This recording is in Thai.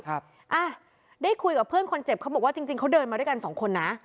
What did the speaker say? อ่ะได้คุยกับเพื่อนคนเจ็บเขาบอกว่าจริงจริงเขาเดินมาด้วยกันสองคนนะ